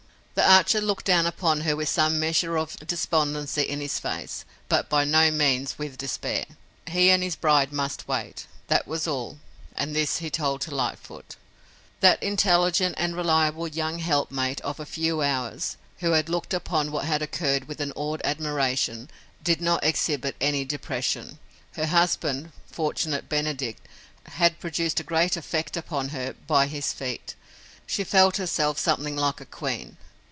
The archer looked down upon her with some measure of despondency in his face, but by no means with despair. He and his bride must wait. That was all, and this he told to Lightfoot. That intelligent and reliable young helpmate of a few hours, who had looked upon what had occurred with an awed admiration, did not exhibit any depression. Her husband, fortunate Benedict, had produced a great effect upon her by his feat. She felt herself something like a queen.